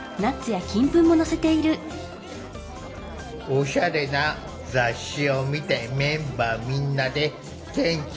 おしゃれな雑誌を見てメンバーみんなで研究を重ねてきた。